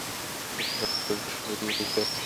শশী সাণ্ডেলের বিষয় পূর্বেই লিখিয়াছি।